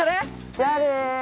じゃあね。